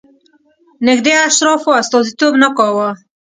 نږدې اشرافو استازیتوب نه کاوه.